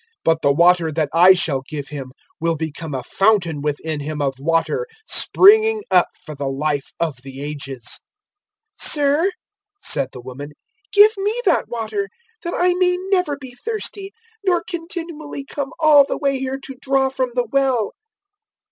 But the water that I shall give him will become a fountain within him of water springing up for the Life of the Ages." 004:015 "Sir," said the woman, "give me that water, that I may never be thirsty, nor continually come all the way here to draw from the well."